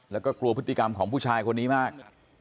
แล้วก็กลัวพฤติกรรมของผู้ชายคนนี้มาก